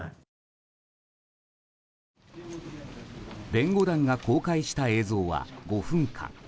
弁護団が公開した映像は５分間。